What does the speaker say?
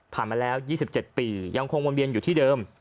มาแล้ว๒๗ปียังคงวนเวียนอยู่ที่เดิม